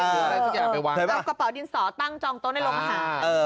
เอากระเป๋าดินสอตั้งจองโต๊ะในโรงพยาบาล